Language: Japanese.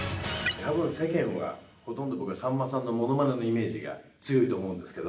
たぶん世間はほとんどがさんまさんのものまねのイメージが強いと思うんですけど。